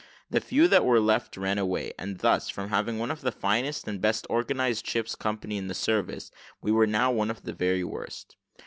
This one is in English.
The few that were left ran away; and thus, from having one of the finest and best organised ship's companies in the service, we were now one of the very worst.